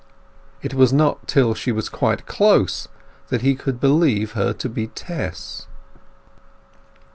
It was not till she was quite close that he could believe her to be Tess.